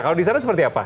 kalau di sana seperti apa